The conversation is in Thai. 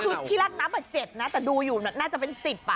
คือที่แล้วนักน่ะเป็นเจ็ดนะแต่ดูอยู่น่าน่าจะเป็นสิบอ่ะ